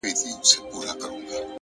قربان د عِشق تر لمبو سم؛ باید ومي سوځي؛